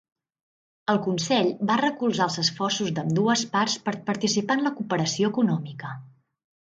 El Consell va recolzar els esforços d'ambdues parts per participar en la cooperació econòmica.